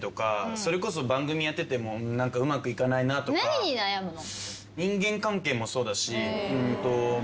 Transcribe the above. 何に悩むの？